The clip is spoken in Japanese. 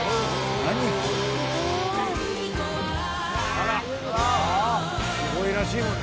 あらすごいらしいもんね。